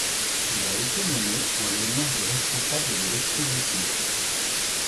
Il a été nommé en l'honneur du responsable de l'expédition.